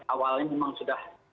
awalnya memang sudah